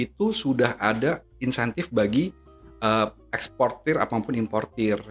itu sudah ada insentif bagi eksportir ataupun importir